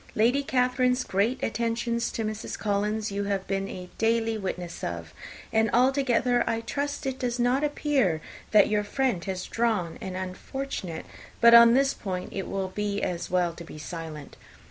Lady Catherine's great attentions to Mrs. Collins you have been a daily witness of; and altogether I trust it does not appear that your friend has drawn an unfortunate but on this point it will be as well to be silent.